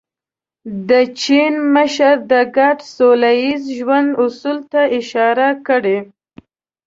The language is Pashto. د چین مشر د ګډ سوله ییز ژوند اصولو ته اشاره کړې.